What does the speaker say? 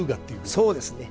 そうですね。